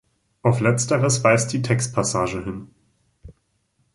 Auf Letzteres weist die Textpassage hin.